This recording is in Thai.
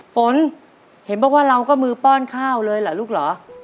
ฝนเห็นบอกว่าเราก็มือป้อนข้าวเลยเหรอลูกเหรอ